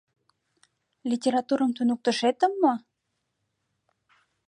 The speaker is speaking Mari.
— Литературым туныктышетым мо?